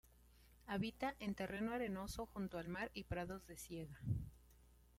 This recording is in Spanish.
Habita en terreno arenoso junto al mar y prados de siega.